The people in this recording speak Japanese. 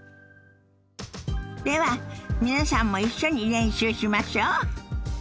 では皆さんも一緒に練習しましょ。